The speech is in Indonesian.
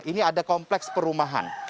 ini ada kompleks perumahan